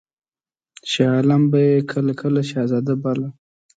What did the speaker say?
شاه عالم به یې کله کله شهزاده باله.